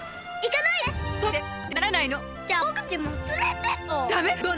いかないで！